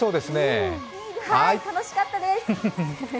楽しかったです。